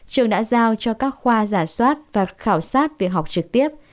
trường đã giao cho các khoa giả soát và khảo sát việc học trực tiếp